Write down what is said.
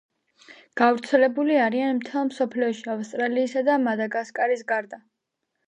გავრცელებული არიან მთელ მსოფლიოში, ავსტრალიისა და მადაგასკარის გარდა.